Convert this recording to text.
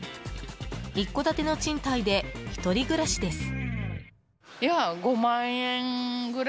一戸建ての賃貸で１人暮らしです。